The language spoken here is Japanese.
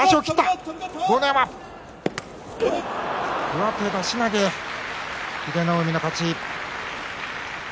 上手出し投げ英乃海の勝ち。